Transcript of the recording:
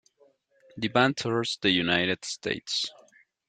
The band tours the United States.